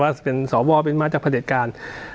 จะเป็นสวเป็นมาจากพระเด็จการ